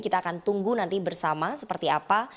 kita akan tunggu nanti bersama seperti apa